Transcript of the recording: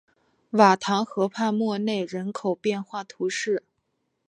瓦唐河畔默内人口变化图示